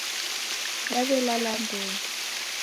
Dawelala andonyi